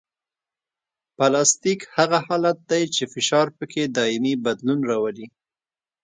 پلاستیک هغه حالت دی چې فشار پکې دایمي بدلون راولي